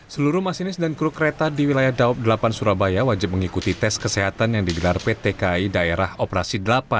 seluruh masinis dan kru kereta di wilayah daob delapan surabaya wajib mengikuti tes kesehatan yang digelar pt kai daerah operasi delapan